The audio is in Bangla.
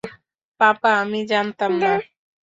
পাপা আমি জানতাম না।